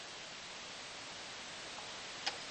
هغوی د انار اوبو په څښلو بوخت دي.